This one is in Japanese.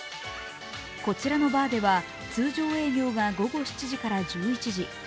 こちらのバーでは通常営業が午後７時から１１時。